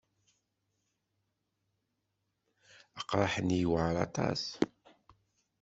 Aqraḥ-nni yewɛeṛ aṭas.